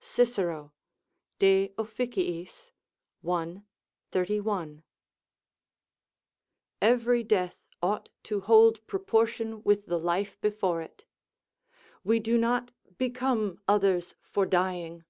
Cicero, De Ofc., i. 31.] Every death ought to hold proportion with the life before it; we do not become others for dying.